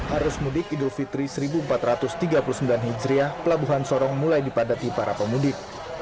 arus mudik idul fitri seribu empat ratus tiga puluh sembilan hijriah pelabuhan sorong mulai dipadati para pemudik